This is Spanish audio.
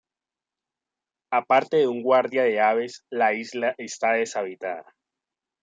Aparte de un guardia de aves, la isla está deshabitada.